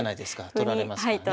取られますからね。